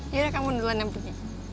yaudah kamu duluan yang pergi